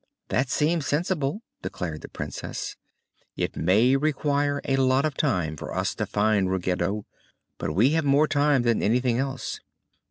"That seems sensible," declared the Princess. "It may require a lot of time for us to find Ruggedo, but we have more time than anything else."